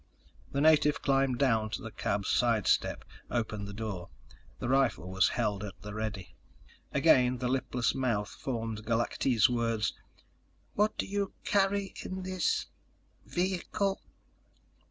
The native climbed down to the cab's side step, opened the door. The rifle was held at the ready. Again, the lipless mouth formed Galactese words: "What do you carry in this ... vehicle?"